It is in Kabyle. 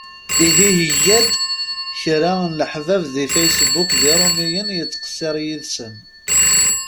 Ihi yega-d kra n leḥbab di Facebook d iṛumyen yettqessiṛ yid-sen.